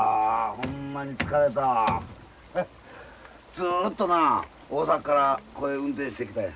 ずっとなあ大阪からこい運転してきたんや。